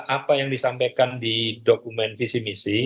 apa yang disampaikan di dokumen visi misi